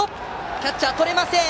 キャッチャーはとれません。